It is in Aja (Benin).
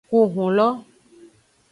Ku hun lo.